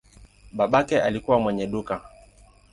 Babake alikuwa mwenye duka.